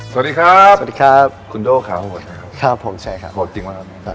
สวัสดีครับสวัสดีครับคุณโด้ขาโหดนะครับครับผมใช่ครับโหดจริงหรือเปล่า